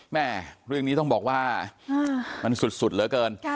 แม่เรื่องนี้ต้องบอกว่ามันสุดเหลือเกิน